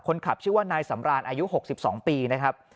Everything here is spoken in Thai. คนขับชื่อว่านายสำรานอายุ๖๒ปีนะครับ